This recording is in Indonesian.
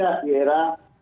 jadi kita tidak di era